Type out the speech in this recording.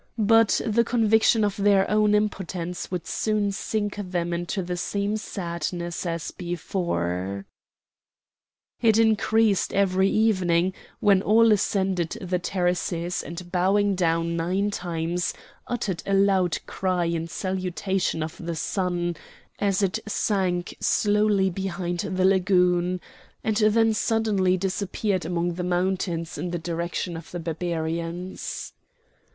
But the conviction of their own impotence would soon sink them into the same sadness as before. It increased every evening when all ascended the terraces, and bowing down nine times uttered a loud cry in salutation of the sun, as it sank slowly behind the lagoon, and then suddenly disappeared among the mountains in the direction of the Barbarians.